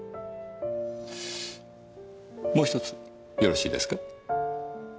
もう１つよろしいですか？